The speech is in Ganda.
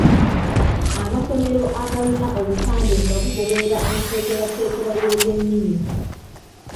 Amasomero agalina obupande nga bugoberera enteekereteekera y’ebyennimi.